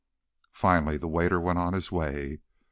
Finally the waiter went on his way.